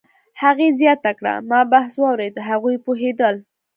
هغې زیاته کړه: "ما بحث واورېد، هغوی پوهېدل